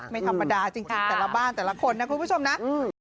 ไม่ธรรมดาจริงแต่ละบ้านแต่ละคนนะคุณผู้ชมนะ